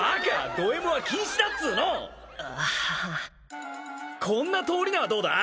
ドＭは禁止だっつうのアハハ・こんな通り名はどうだ？